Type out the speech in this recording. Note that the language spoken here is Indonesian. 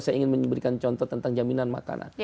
saya ingin memberikan contoh tentang jaminan makanan